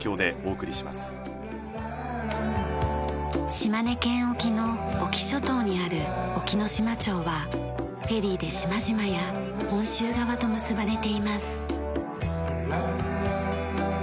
島根県沖の隠岐諸島にある隠岐の島町はフェリーで島々や本州側と結ばれています。